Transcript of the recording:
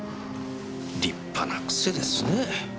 立派な癖ですね。